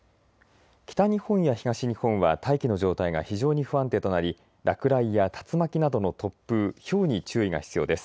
北日本や東日本は大気の状態が非常に不安定となり落雷や竜巻などの突風ひょうに注意が必要です。